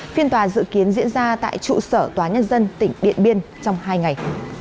phiên tòa dự kiến diễn ra tại trụ sở tòa nhân dân tỉnh điện biên trong hai ngày